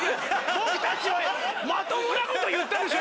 僕たちまともなこと言ったでしょ？